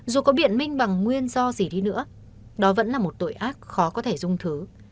dù có biện minh bằng nguyên do gì đi nữa đó vẫn là một tội ác khó có thể dung thứ